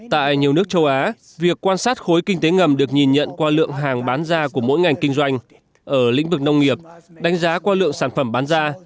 tại nhiều nước châu á việc quan sát khối kinh tế ngầm được nhìn nhận qua lượng hàng bán ra của mỗi ngành kinh doanh ở lĩnh vực nông nghiệp đánh giá qua lượng sản phẩm bán ra